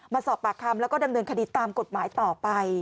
มาสอบปากคำแล้วก็ดำเนินคดีตามกฎหมายต่อไป